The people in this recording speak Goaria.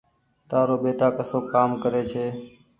تآرو ٻيٽآ ڪسو ڪآم ڪري ڇي۔